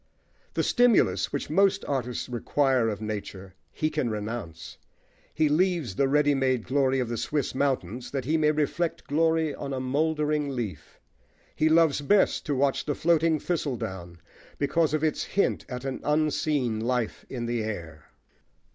The stimulus which most artists require of nature he can renounce. He leaves the ready made glory of the Swiss mountains that he may reflect glory on a mouldering leaf. He loves best to watch the floating thistledown, because of its hint at an unseen life in the air.